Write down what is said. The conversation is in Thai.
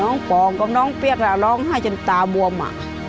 น้องปองกับน้องเปรี้ยกอะร้องไห้จนตาบวมอะ